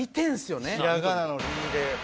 ひらがなの「り」で。